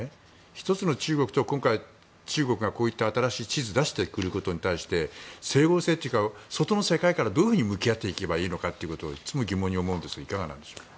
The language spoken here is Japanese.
一つの中国と中国がこういった新しい地図を出してくることについて整合性というか外の世界からどういうふうに向き合っていけばいいのかといつも疑問に思うんですがいかがでしょう？